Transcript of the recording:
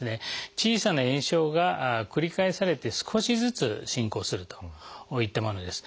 小さな炎症が繰り返されて少しずつ進行するといったものです。